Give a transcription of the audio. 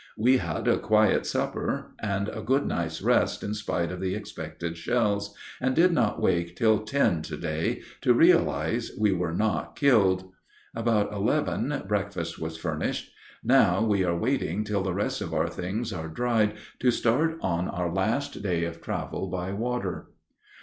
We had a quiet supper and a good night's rest in spite of the expected shells, and did not wake till ten to day to realize we were not killed. About eleven breakfast was furnished. Now we are waiting till the rest of our things are dried to start on our last day of travel by water.